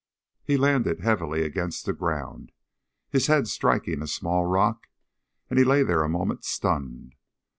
He landed heavily against the ground, his head striking a small rock; and he lay there a moment, stunned.